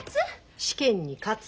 試験に勝つ。